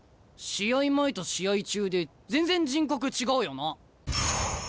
試合前と試合中で全然人格違うよな。